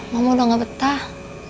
mama udah gak betah